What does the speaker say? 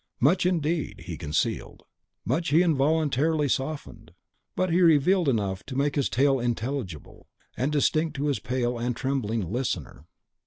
Much, indeed, he concealed, much he involuntarily softened; but he revealed enough to make his tale intelligible and distinct to his pale and trembling listener.